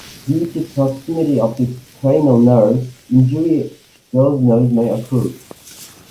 Due to the proximity of the cranial nerves, injury to those nerves may occur.